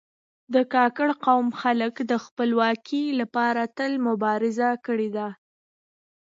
د کاکړ قوم خلک د خپلواکي لپاره تل مبارزه کړې ده.